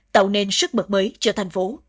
tạo nên sức mật mới cho thành phố